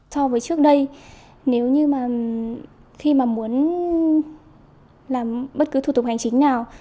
so với trước đây nếu như mà khi mà muốn làm bất cứ thủ tục hành chính nào